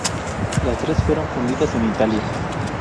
Las tres fueron fundidas en Italia.